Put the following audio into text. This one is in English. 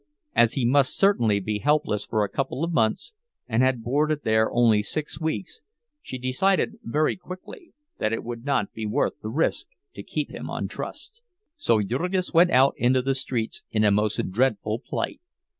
As he must certainly be helpless for a couple of months, and had boarded there only six weeks, she decided very quickly that it would not be worth the risk to keep him on trust. So Jurgis went out into the streets, in a most dreadful plight.